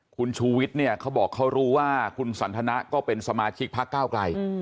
คุณชูวิทย์เนี่ยเขาบอกเขารู้ว่าคุณสันทนะก็เป็นสมาชิกพักเก้าไกล